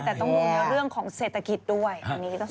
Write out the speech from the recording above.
แต่ต้องห่วงในเรื่องของเศรษฐกิจด้วย